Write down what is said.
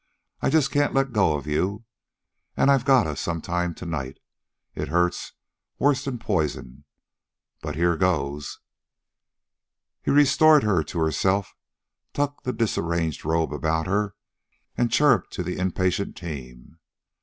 I just can't let go of you, and I've gotta some time to night. It hurts worse'n poison, but here goes." He restored her to herself, tucked the disarranged robe about her, and chirruped to the impatient team.